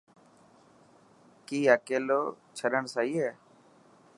ڪي اڪيلو ڇڏڻ سهي هي؟